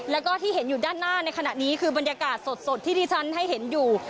แล้วก็ที่เห็นอยู่ด้านหน้าในขณะนี้คือบรรยากาศสดที่ที่ฉันให้เห็นอยู่